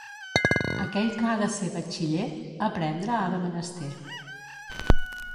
Aquell que ha de ser batxiller, aprendre ha de menester.